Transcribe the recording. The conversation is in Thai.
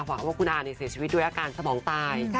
ว่าคุณอาเสียชีวิตด้วยอาการสมองตาย